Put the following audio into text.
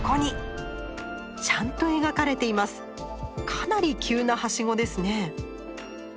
かなり急な梯子ですね。